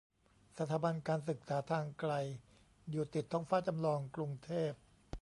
สถาบันการศึกษาทางไกล อยู่ติดท้องฟ้าจำลอง กรุงเทพ